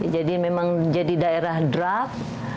jadi memang jadi daerah drab